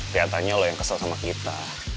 tiatanya lo yang kesel sama kita